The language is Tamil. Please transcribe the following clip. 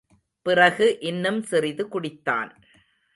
பிறகு இன்னும் சிறிது குடித்தான்.